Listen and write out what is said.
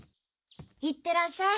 いってらっしゃい。